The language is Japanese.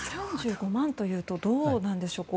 ３５万というとどうなんでしょうか。